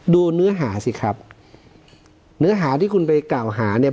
ดูเนื้อหาสิครับเนื้อหาที่คุณไปกล่าวหาเนี่ย